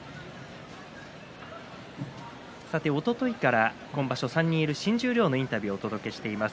おとといから今場所３人いる新十両のインタビューをお届けしています。